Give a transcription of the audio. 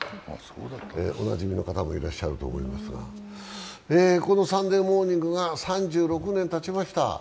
おなじみの方もいらっしゃると思いますがこの「サンデーモーニング」が３６年たちました。